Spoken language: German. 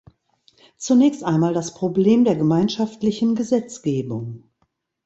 Zunächst einmal das Problem der gemeinschaftlichen Gesetzgebung.